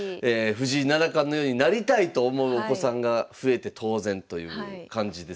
藤井七冠のようになりたいと思うお子さんが増えて当然という感じですよね。